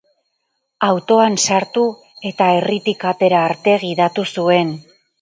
Autoan sartu, eta herritik atera arte gidatu zuen.